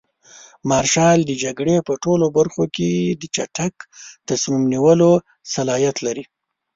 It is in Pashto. مارشال د جګړې په ټولو برخو کې د چټک تصمیم نیولو صلاحیت لري.